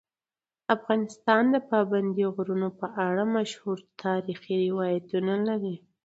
افغانستان د پابندي غرونو په اړه مشهور تاریخی روایتونه لري.